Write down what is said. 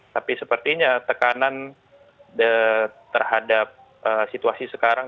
tapi sepertinya tekanan terhadap situasi sekarang